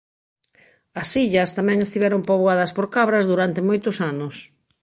As illas tamén estiveron poboadas por cabras durante moitos anos.